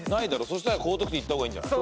そしたら高得点いった方がいいんじゃない？